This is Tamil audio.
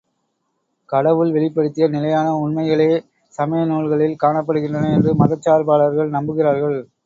கடவுள் வெளிப்படுத்திய நிலையான உண்மைகளே, சமய நூல்களில் காணப்படுகின்றன என்று மதச்சார்பாளர்கள் நம்புகிறார்கள்.